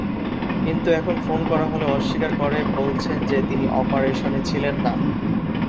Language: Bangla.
কিন্তু এখন ফোন করা হলে অস্বীকার করে বলছেন যে, তিনি অপারেশনে ছিলেন না।